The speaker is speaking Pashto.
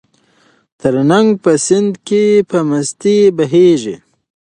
ترنګ په سیند کې په مستۍ بهېږي.